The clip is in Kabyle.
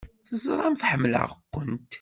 Teẓramt ḥemmleɣ-kent!